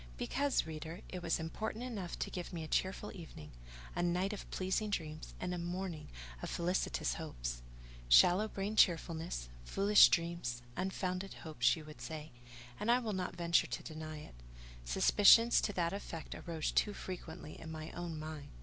Because, reader, it was important enough to give me a cheerful evening, a night of pleasing dreams, and a morning of felicitous hopes. Shallow brained cheerfulness, foolish dreams, unfounded hopes, you would say; and I will not venture to deny it: suspicions to that effect arose too frequently in my own mind.